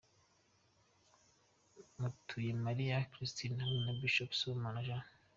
Mutuyemariya Christine hamwe na Bishop Sibomana Jean.